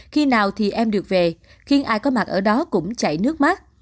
khi nào thì em được về khiến ai có mặt ở đó cũng chảy nước mắt